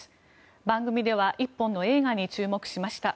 番組では１本の映画に注目しました。